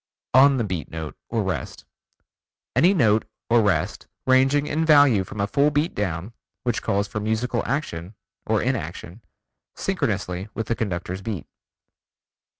On the Beat Note (or rest): Any note (or rest) ranging in value from a full beat down, which calls for musical action (or inaction) synchronously with the conductor's beat.